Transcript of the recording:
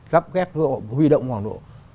gấp ghép huy động hoặc